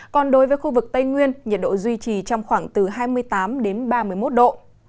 còn đối với khu vực tây nguyên nhiệt độ duy trì trong khoảng từ hai mươi tám đến ba mươi một độ